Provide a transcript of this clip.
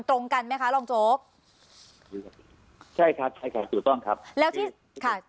ตรงกันไหมคะรองโจ๊กใช่ครับใช่ครับถูกต้องครับแล้วที่ค่ะ